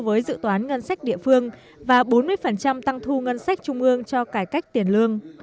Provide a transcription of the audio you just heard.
với dự toán ngân sách địa phương và bốn mươi tăng thu ngân sách trung ương cho cải cách tiền lương